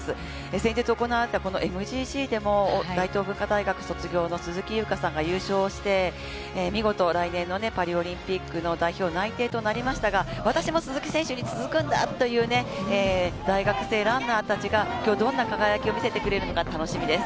先日行われたＭＧＣでも大東文化大学卒業の鈴木優花さんが優勝して、見事来年のパリオリンピックの代表内定となりましたが、私も鈴木選手に続くんだというふうに、大学生ランナーたちがきょう、どんな輝きを見せてくれるのか楽しみです。